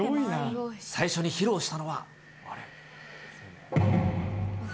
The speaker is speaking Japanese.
最初に披露したのは。